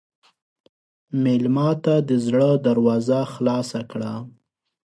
مېلمه ته د زړه دروازه خلاصه کړه.